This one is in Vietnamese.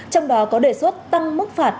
trong đó có đề xuất tăng mức phạt